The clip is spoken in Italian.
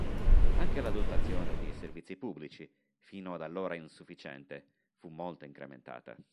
Anche la dotazione di servizi pubblici, fino ad allora insufficiente, fu molto incrementata.